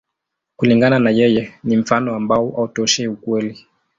Kulingana na yeye, ni mfano ambao hautoshei ukweli.